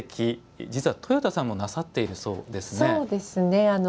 実は、とよたさんもなさっているそうですね。